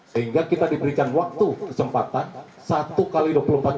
sehingga kita diberikan waktu kesempatan satu x dua puluh empat jam